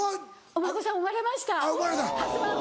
お孫さん生まれました初孫。